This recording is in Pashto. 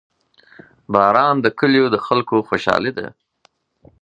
• باران د کلیو د خلکو خوشحالي ده.